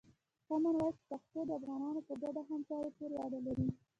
کامن وایس پښتو د افغانانو په ګډه همکاري پورې اړه لري.